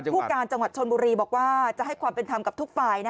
ผู้การจังหวัดชนบุรีบอกว่าจะให้ความเป็นธรรมกับทุกฝ่าย